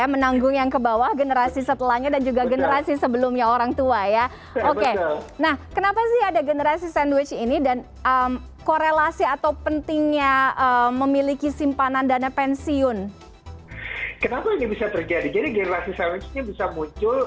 mungkin kalau untuk anak anak yang masih single kan harusnya sih nggak sulit ya gitu